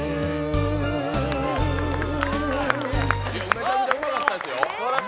めちゃくちゃうまかったですよ。